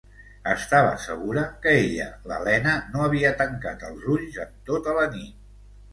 Estava segura que ella, l'Elena, no havia tancat els ulls en tota la nit.